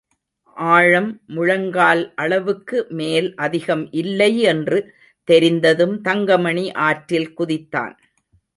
ஆழம் முழங்கால் அளவுக்கு மேல் அதிகம் இல்லை என்று தெரிந்ததும் தங்கமணி ஆற்றில் குதித்தான்.